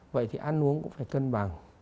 vậy thì ăn uống cũng phải cân bằng